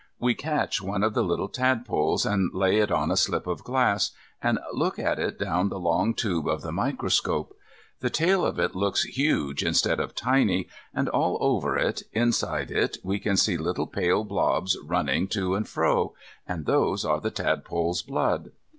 We catch one of the little tadpoles, and lay it on a slip of glass, and look at it down the long tube of the microscope. The tail of it looks huge instead of tiny, and all over it, inside it, we can see little pale blobs running to and fro; and those are the tadpole's blood.